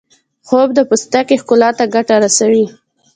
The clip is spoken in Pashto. خوب د پوستکي ښکلا ته ګټه رسوي